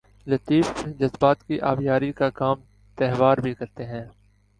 لطیف جذبات کی آبیاری کا کام تہوار بھی کرتے ہیں۔